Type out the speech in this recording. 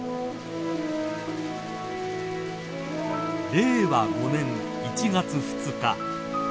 ［令和５年１月２日］